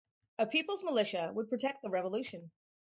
A "people's militia" would "protect the revolution".